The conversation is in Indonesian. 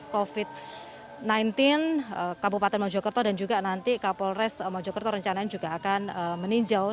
covid sembilan belas kabupaten mojokerto dan juga nanti kapolres mojokerto rencananya juga akan meninjau